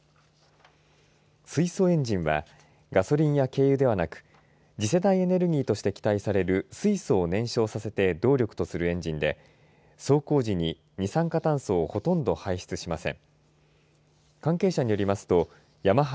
水素エンジンはガソリンや軽油ではなく次世代エネルギーとして期待される水素を燃焼させて動力とするエンジンで走行時に二酸化炭素をほとんど排出しません。